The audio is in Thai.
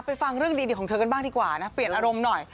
ฟังเรื่องดีของเธอกันบ้างดีกว่านะเปลี่ยนอารมณ์หน่อย